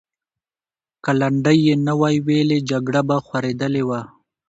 که لنډۍ یې نه وای ویلې، جګړه به خورېدلې وه.